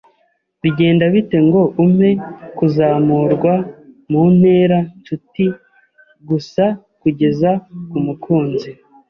Bigenda bite ngo umpe kuzamurwa mu ntera-nshuti gusa kugeza ku mukunzi?